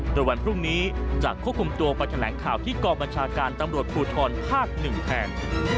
โดยวันพรุ่งนี้จะควบคุมตัวไปแถลงข่าวที่กองบัญชาการตำรวจภูทรภาค๑แทน